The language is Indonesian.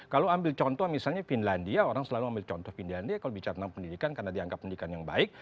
kalau ambil contoh misalnya finlandia orang selalu ambil contoh findia kalau bicara tentang pendidikan karena dianggap pendidikan yang baik